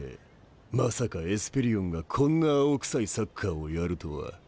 まさかエスペリオンがこんな青臭いサッカーをやるとは。